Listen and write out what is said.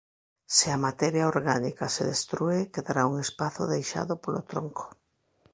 Se a materia orgánica se destrúe quedará un espazo deixado polo tronco.